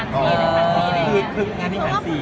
เพราะคือพ่อคุณแม่ทำงาน